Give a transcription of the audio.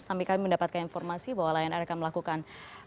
tapi kami mendapatkan informasi bahwa lion air akan melakukan